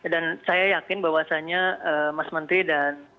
dan saya yakin bahwasannya mas menteri dan pak maman